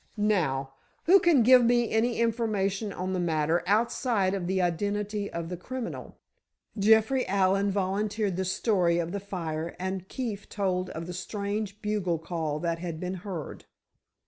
Now, who can give me any information on the matter, outside of the identity of the criminal?" Jeffrey Allen volunteered the story of the fire, and Keefe told of the strange bugle call that had been heard.